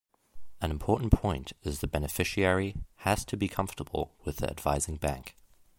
An important point is the beneficiary has to be comfortable with the advising bank.